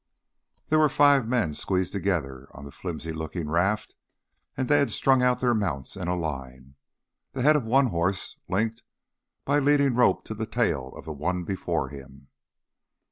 There were five men squeezed together on the flimsy looking raft and they had strung out their mounts in a line, the head of one horse linked by leading rope to the tail of the one before him.